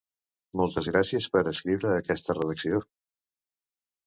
Moltes gràcies per escriure aquesta redacció.